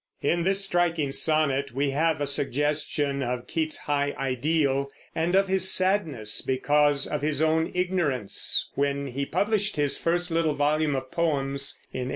In this striking sonnet we have a suggestion of Keats's high ideal, and of his sadness because of his own ignorance, when he published his first little volume of poems in 1817.